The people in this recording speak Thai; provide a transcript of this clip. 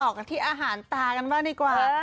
กันที่อาหารตากันบ้างดีกว่า